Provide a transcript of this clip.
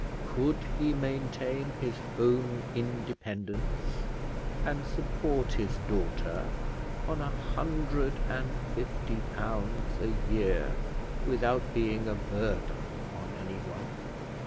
Could he maintain his own independence and support his daughter on a hundred and fifty pounds a year without being a burden on anyone?